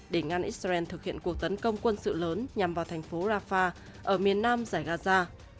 để ngăn israel thực hiện cuộc tấn công quân sự lớn nhằm vào thành phố rafah ở miền nam giải gaza